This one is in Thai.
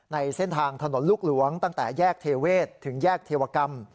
ในเส้นทางถนนลูกหลวงตั้งแต่แยกเทเวศถึงแยกเทวกรรม